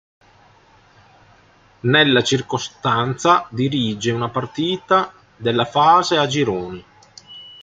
Nella circostanza dirige una partita della fase a gironi.